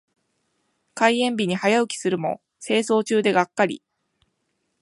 開園日に早起きするも清掃中でがっかり。